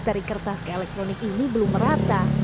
dari kertas ke elektronik ini belum merata